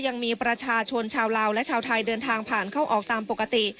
ยังมีประชาชนชาวลาวและชาวไทยเดินทางผ่านเข้าออกตามปกติ